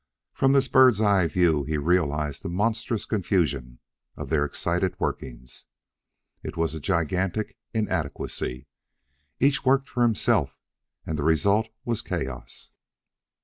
From this bird's eye view he realized the monstrous confusion of their excited workings. It was a gigantic inadequacy. Each worked for himself, and the result was chaos.